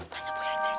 tanya boy aja deh